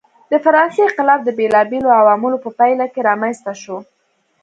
د فرانسې انقلاب د بېلابېلو عواملو په پایله کې رامنځته شو.